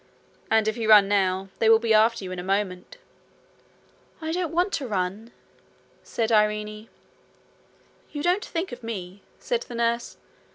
And if you run now, they will be after you in a moment.' 'I don't want to run,' said Irene. 'You don't think of me,' said the nurse.